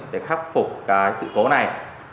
để khắc phục sự cố này